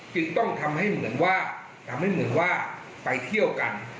จึงต้องทำให้เหมือนว่าไปเที่ยวกัน